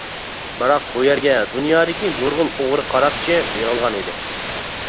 بىراق بۇ يەرگە دۇنيادىكى نۇرغۇن ئوغرى-قاراقچى يىغىلغان ئىدى.